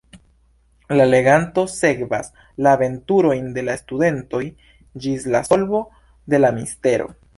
La leganto sekvas la aventurojn de la studentoj ĝis la solvo de la mistero.